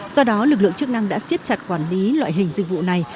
do đó lực lượng chức năng đã siết chặt quản lý loại hình dịch vụ này